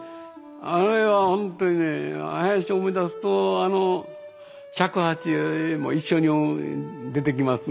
あれはほんとに林を思い出すとあの尺八も一緒に出てきますね。